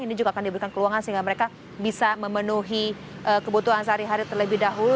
ini juga akan diberikan peluangan sehingga mereka bisa memenuhi kebutuhan sehari hari terlebih dahulu